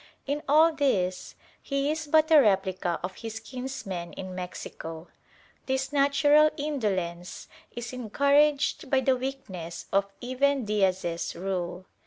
In all this he is but a replica of his kinsmen in Mexico. This natural indolence is encouraged by the weakness of even Diaz's rule.